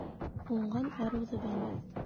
Уңған арыуҙы белмәҫ